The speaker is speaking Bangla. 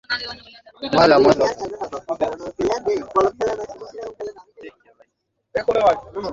সাইবেরিয়ার প্রথাগুলো স্ক্যান করা হচ্ছে।